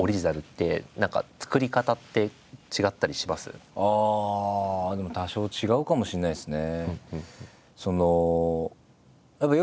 小説原作とああでも多少違うかもしれないですね。